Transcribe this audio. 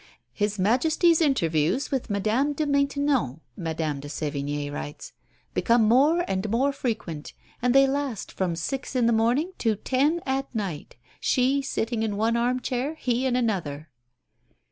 "His Majesty's interviews with Madame de Maintenon," Madame de Sevigné writes, "become more and more frequent, and they last from six in the morning to ten at night, she sitting in one arm chair, he in another."